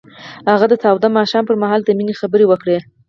هغه د تاوده ماښام پر مهال د مینې خبرې وکړې.